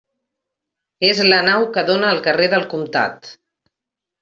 És la nau que dóna al carrer del Comtat.